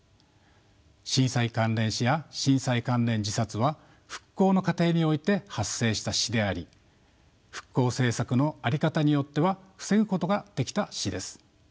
震災関連死や震災関連自殺は復興の過程において発生した死であり復興政策の在り方によっては防ぐことができた死です。